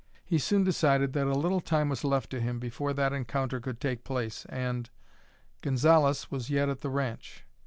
He soon decided that a little time was still left to him before that encounter could take place and Gonzalez was yet at the ranch.